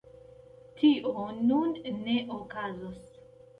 Tio nun ne okazos.